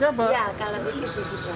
iya kalau pipis di situ